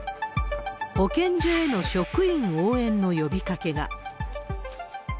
保健所への職員応援の呼びかけが。